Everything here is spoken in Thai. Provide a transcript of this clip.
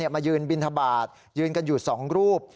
มายืนบิณฑบาตยืนกันอยู่สองรูป